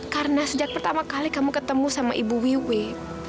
karena sejak pertama kali kamu ketemu sama ibu wit